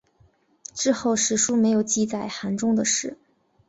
之后史书没有记载韩忠的事。